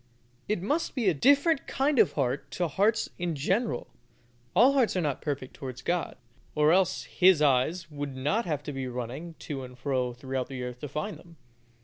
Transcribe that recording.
It must be A DIFFERENT KIND OF HEART TO HEARTS IN GENERAL; all hearts are not perfect towards God, or else His eyes would not have to be running to and fro throughout the earth to find them.